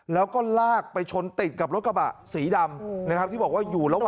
แล้วก็ลากไปชนติดกับรถกระบะสีดำนะครับที่บอกว่าอยู่ระหว่าง